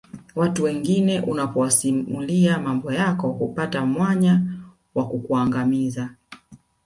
Watu wengine unapowasimulia mambo yako hupata mwanya wa kukuangamiza